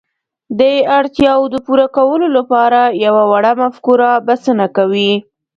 د اړتياوو د پوره کولو لپاره يوه وړه مفکوره بسنه کوي.